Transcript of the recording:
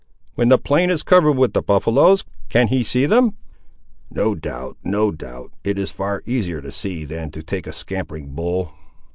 "When the plain is covered with the buffaloes, can he see them?" "No doubt, no doubt—it is far easier to see than to take a scampering bull."